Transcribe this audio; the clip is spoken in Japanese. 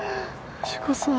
藤子さん！